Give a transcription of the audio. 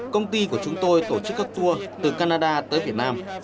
công ty của chúng tôi tổ chức các tour từ canada tới việt nam